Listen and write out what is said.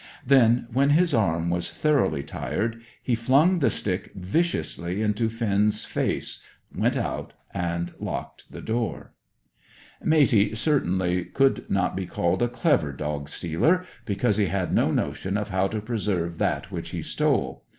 Then, when his arm was thoroughly tired, he flung the stick viciously into Finn's face, went out, and locked the door. Matey certainly could not be called a clever dog stealer, because he had no notion of how to preserve that which he stole.